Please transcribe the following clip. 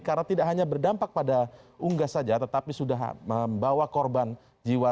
karena tidak hanya berdampak pada unggas saja tetapi sudah membawa korban jiwa